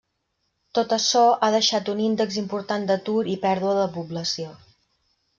Tot açò ha deixat un índex important d'atur i pèrdua de població.